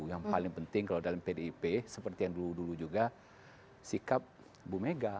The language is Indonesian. yang paling penting kalau dalam pdip seperti yang dulu dulu juga sikap bu mega